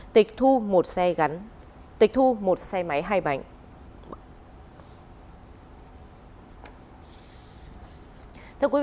tịch thu một xe máy hai bảnh